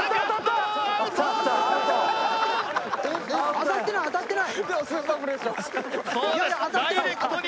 当たってない当たってない！